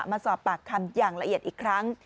มาสอบปากคำอย่างละเอียดอีกครั้ง